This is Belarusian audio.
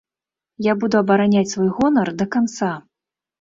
Я буду абараняць свой гонар да канца.